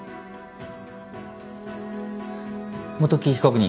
元木被告人。